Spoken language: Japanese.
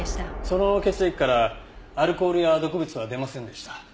その血液からアルコールや毒物は出ませんでした。